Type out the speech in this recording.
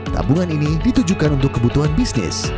tabungan ini ditujukan untuk kebutuhan bisnis